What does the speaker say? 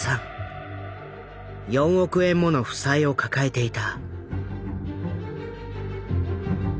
４億円もの負債を抱えていた。